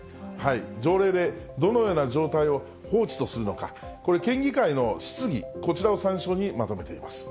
条例でどのような状態を放置とするのか、これ、県議会の質疑、こちらを参照に、まとめています。